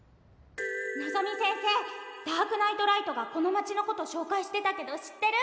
のぞみ先生「ダークナイトライト」がこの街のこと紹介してたけど知ってる？